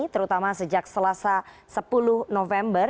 terutama sejak selasa sepuluh november